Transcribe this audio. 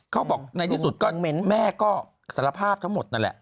เขาบอกในที่สุดก็เม้นแม่ก็สารภาพทั้งหมดนั่นแหละ